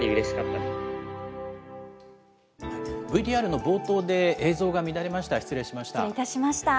ＶＴＲの冒頭で映像が乱れました、失礼しました。